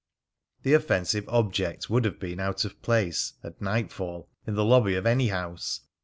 The offensive object would have been out of place, at nightfall, in the lobby of any house.